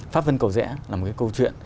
pháp vân cầu rẽ là một cái câu chuyện